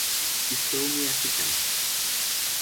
Estou-me a ficar.